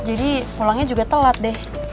jadi pulangnya juga telat deh